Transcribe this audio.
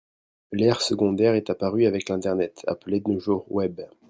L'aire secondaire est apparu avec l'internet, appelé de nos jours Web